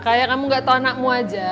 kayak kamu gak tau anakmu aja